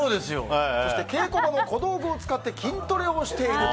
そして稽古場の小道具を使って筋トレをしていると。